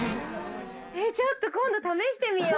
えぇちょっと今度試してみよう。